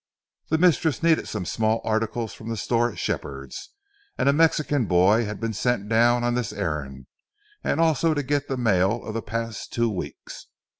The mistress needed some small article from the store at Shepherd's, and a Mexican boy had been sent down on this errand and also to get the mail of the past two weeks.